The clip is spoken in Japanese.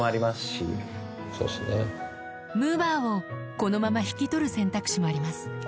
むぅばあをこのまま引き取る選択肢もあります